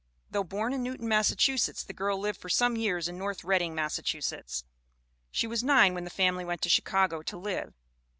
Though born in Newton, Massachusetts, the girl lived for some years in North Reading, Massachusetts. She was nine when the family went to Chicago to live.